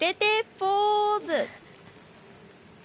ポーズ！